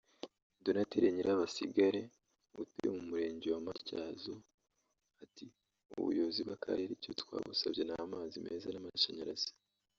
Donathille Nyirabasigare utuye mu murenge wa Matyazo ati “Ubuyobozi bw’Akarere icyo twabusabye ni amazi meza n’amashanyarazi